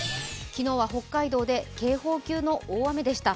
昨日は北海道で警報級の大雨でした。